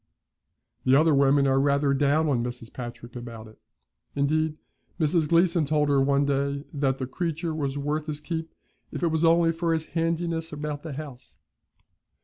The other women are rather down on Mrs. Patrick about it; indeed, Mrs. Gleeson told her one day that the creature was worth his keep if it was only for his handiness about the house.